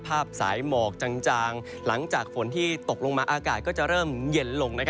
สายหมอกจางหลังจากฝนที่ตกลงมาอากาศก็จะเริ่มเย็นลง